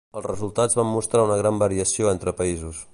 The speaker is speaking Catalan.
Els resultats van mostrar una gran variació entre països.